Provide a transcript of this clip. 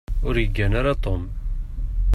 Ur yeggan ara Tom.